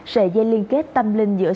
sợi dây liên kết tâm linh giữa